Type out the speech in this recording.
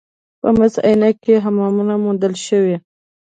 په مس عینک کې حمامونه موندل شوي